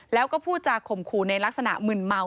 แล้วก็พูดจากข่มขู่ในลักษณะมึนเมา